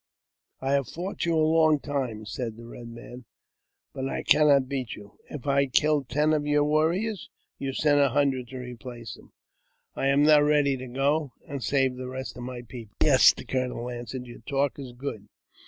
" I have fought you a long time," said the Eed Man, " but I •cannot beat you. If I kill ten of your warriors, you send a hundred to replace them ; I am now ready to go, and save the rest of my people." " Yes," the colonel answered, your talk is good.